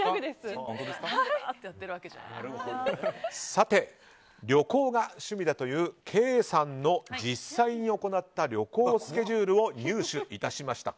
さて、旅行が趣味だというケイさんの実際に行った旅行のスケジュールを入手致しました